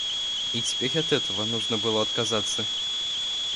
И теперь от этого нужно было отказаться!